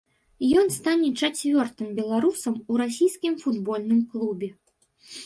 Ён стане чацвёртым беларусам у расійскім футбольным клубе.